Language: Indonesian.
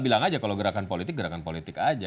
bilang aja kalau gerakan politik gerakan politik aja